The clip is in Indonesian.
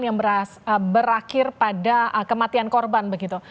yang berakhir pada kematian korban begitu